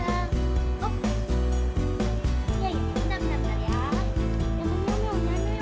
aduh alhamdulillah sekarang ada mas kevin